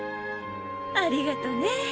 ありがとね。